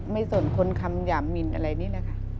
สนคนคำหยามมินอะไรนี่แหละค่ะ